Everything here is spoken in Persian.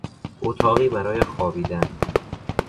اتاقی برای خوابیدن